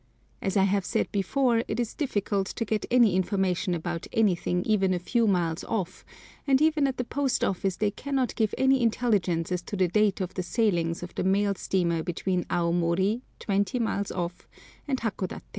As I have said before, it is difficult to get any information about anything even a few miles off, and even at the Post Office they cannot give any intelligence as to the date of the sailings of the mail steamer between Aomori, twenty miles off, and Hakodaté.